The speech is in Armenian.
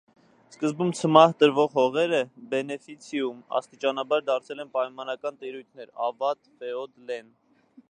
Սկզբում ցմահ տրվող հողերը(բենեֆիցիում) աստիճանաբար դարձել են պայմանական տիրույթներ(ավատ, ֆեոդ, լեն)։